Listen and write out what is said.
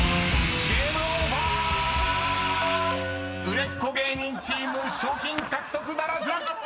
［売れっ子芸人チーム賞品獲得ならず！］